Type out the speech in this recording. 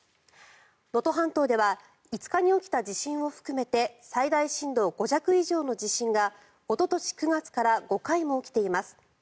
能登半島では５日に起きた地震を含めて最大震度５弱以上の地震がおととし９月から５回も起きています。